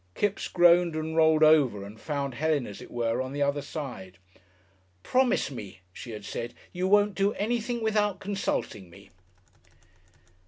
Kipps groaned and rolled over and found Helen, as it were, on the other side. "Promise me," she had said, "you won't do anything without consulting me."